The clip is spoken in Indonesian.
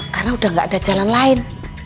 karena udah gak ada jalan lain